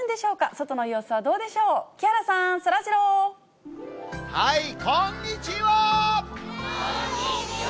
外の様子はどうでしょう、木原さこんにちは。